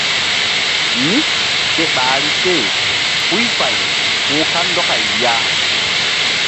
Mí ke ɓahri se huy fay hu̧h kandɔkay ya.